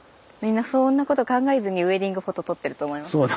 みんなそんなこと考えずにウエディングフォト撮ってると思います。